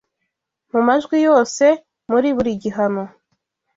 Mu majwi yose, muri buri gihano